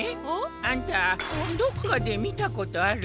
あんたどっかでみたことあるような。